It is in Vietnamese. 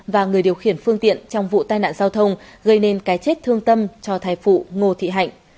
và người điều khiển phương tiện trong vụ tai nạn giao thông gây nên cái chết thương tâm cho thai phụ ngô thị hạnh